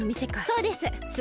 そうです！